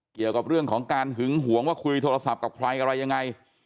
เกี่ยวกับเรื่องของการหึงหวงว่าคุยโทรศัพท์กับใครอะไรยังไง